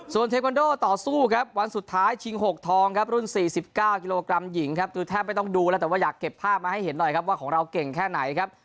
ส่วนเทควันโดต่อสู้ครับวันสุดท้ายชิง๖ทองครับรุ่น๔๙กิโลกรัมหญิงครับดูแทบไม่ต้องดูแล้วแต่ว่าอยากเก็บภาพมาให้เห็นหน่อยครับว่าของเราเก่งแค่ไหนครับ